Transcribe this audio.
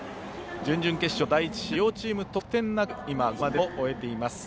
準々決勝の第１試合両チーム得点なく今、５回までを終えています。